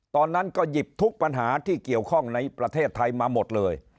ตอนนั้นก็หยิบทุกปัญหาที่เกี่ยวข้องในประเทศไทยมาหมดเลย